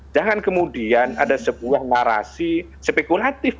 jangan kemudian ada sebuah narasi spekulatif